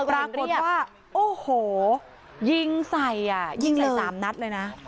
ปรากฏว่าโอ้โหยิงใส่อ่ะยิงใส่๓นัดเลยนะ